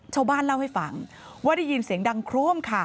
ชาวบ้านเล่าให้ฟังว่าได้ยินเสียงดังโครมค่ะ